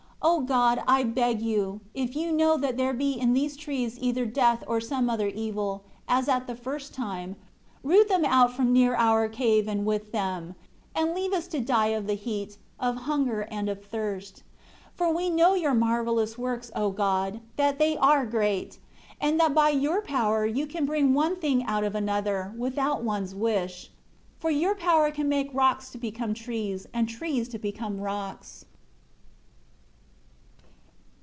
13 O God, I beg you, if You know that there be in these trees either death or some other evil, as at the first time, root them up from near our cave, and with them; and leave us to die of the heat, of hunger and of thirst. 14 For we know Your marvelous works, O God, that they are great, and that by Your power You can bring one thing out of another, without one's wish. For Your power can make rocks to become trees, and trees to become rocks."